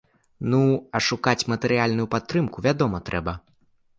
Ну, а шукаць матэрыяльную падтрымку, вядома, трэба.